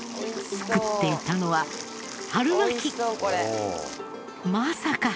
作っていたのは春巻き。